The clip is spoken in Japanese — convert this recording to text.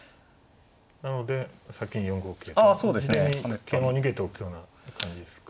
なので先に４五桂と事前に桂馬を逃げておくような感じですか。